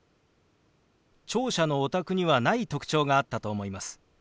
聴者のお宅にはない特徴があったと思います。